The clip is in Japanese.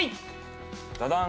ダダン。